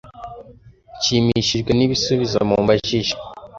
Nshimishijwe n'ibisubizo mumbajije